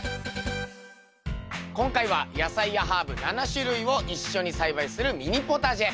今回は野菜やハーブ７種類を一緒に栽培するミニポタジェ。